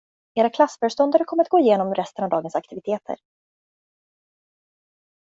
Era klassföreståndare kommer att gå igenom resten av dagens aktiviteter.